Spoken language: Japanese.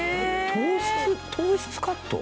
糖質糖質カット？